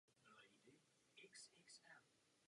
Po druhé světové válce zde pro zaměstnance chovali prasata.